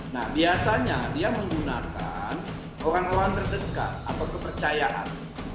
nah biasanya dia menggunakan orang orang terdekat atau kepercayaan